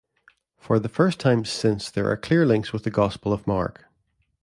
For the first time since there are clear links with the Gospel of Mark.